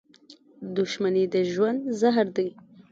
• دښمني د ژوند زهر دي.